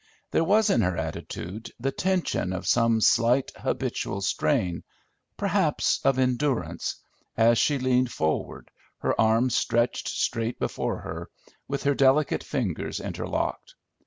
There was in her attitude the tension of some slight habitual strain perhaps of endurance as she leaned forward, her arms stretched straight before her, with her delicate fingers interlocked.